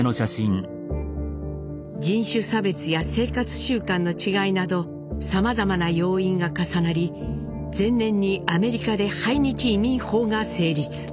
人種差別や生活習慣の違いなどさまざまな要因が重なり前年にアメリカで排日移民法が成立。